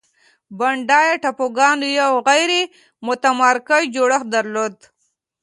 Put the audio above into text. بانډا ټاپوګانو یو غیر متمرکز جوړښت درلود.